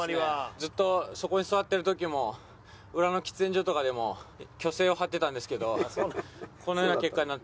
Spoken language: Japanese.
ずっとそこに座ってる時も裏の喫煙所とかでも虚勢を張ってたんですけどこのような結果になって。